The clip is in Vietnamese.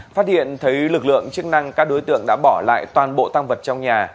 phát hiện thấy lực lượng chức năng các đối tượng đã bỏ lại toàn bộ tăng vật trong nhà